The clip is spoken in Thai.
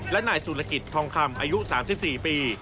และนายศูนย์ธรรมคำอายุ๓๔ปี